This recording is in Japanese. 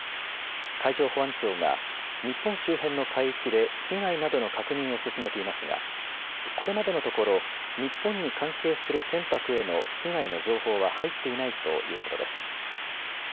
海上保安庁が日本周辺の海域で被害などの確認を進めていますがこれまでのところ日本に関係する船舶への被害の情報は入っていないということです。